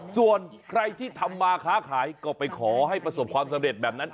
ส่วนใครที่ทำมาค้าขายก็ไปขอให้ประสบความสำเร็จแบบนั้น